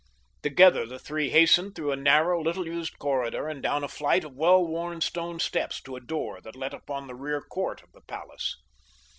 Together the three hastened through a narrow, little used corridor and down a flight of well worn stone steps to a door that let upon the rear court of the palace.